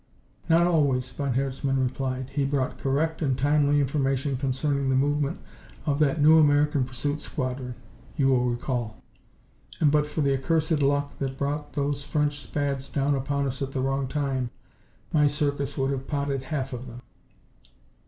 "Not always," von Herzmann replied. "He brought correct and timely information concerning the movement of that new American pursuit squadron, you will recall. And but for the accursed luck that brought those French Spads upon us at the wrong time, my Circus would have potted half of them."